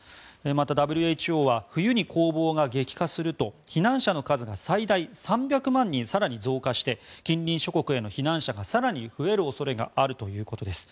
また、ＷＨＯは冬に攻防が激化すると避難者の数が最大３００万人更に増加して近隣諸国への避難者が更に増える恐れがあるということです。